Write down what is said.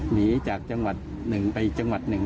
หนีจากจังหวัดหนึ่งไปอีกจังหวัดหนึ่ง